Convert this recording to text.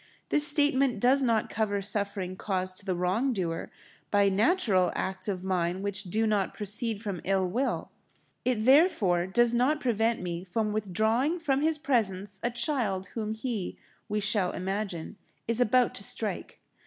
This statement does not cover suffering caused to the wrong doer by natural acts of mine which do not proceed from ill will. It, therefore, does not prevent me from withdrawing from his presence a child whom he, we shall imagine, is about to strike.